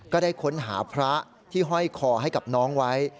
ก็ได้ค้นหาพระที่ห้อยคอให้กับน้องไว้